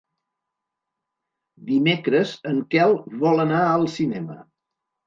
Dimecres en Quel vol anar al cinema.